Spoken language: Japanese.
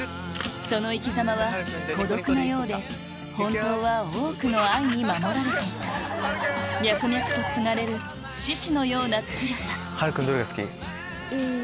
その生き様は孤独なようで本当は多くの愛に守られていた脈々と継がれる獅子のような強さハル君どれが好き？